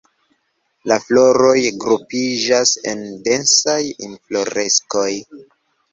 La floroj grupiĝas en densaj infloreskoj.